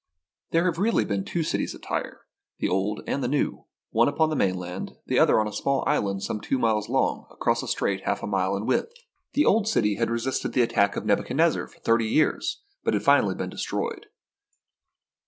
There had been really two cities of Tyre, the old and the new ; one upon the mainland, the other upon a small island some two miles long, across a strait half a mile in width. The old city had resisted the THE BOOK OF FAMOUS SIEGES attack of Nebuchadnezzar for thirty years, but had finally been destroyed.